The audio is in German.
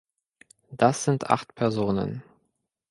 Das sind acht Personen.